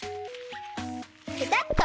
ペタッと。